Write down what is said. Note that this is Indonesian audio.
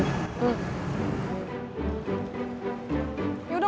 ya udah gak usah diliatin